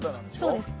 そうです。